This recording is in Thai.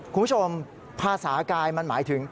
คุณผู้ชมภาษากายมันหมายถึง